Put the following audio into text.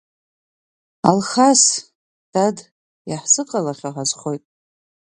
Алхас, дад, иаҳзыҟалахьоу ҳазхоит.